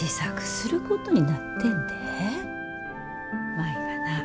舞がな